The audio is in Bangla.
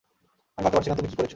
আমি ভাবতে পারছি না, তুমি কি করেছো!